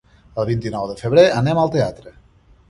El vint-i-nou de febrer anem al teatre.